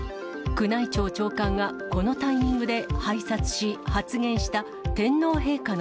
宮内庁長官がこのタイミングで拝察し、発言した、天皇陛下の